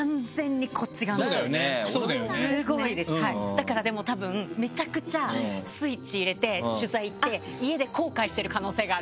だからでもたぶんめちゃくちゃスイッチ入れて取材行って家で後悔してる可能性がある。